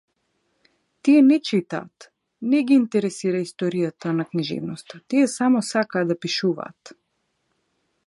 Тие не читаат, не ги интересира историјата на книжевноста, тие само сакат да пишуваат.